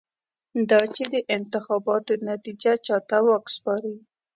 دا چې د انتخاباتو نتېجه چا ته واک سپاري.